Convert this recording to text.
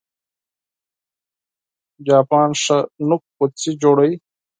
چاپان ښه نوک غوڅي جوړوي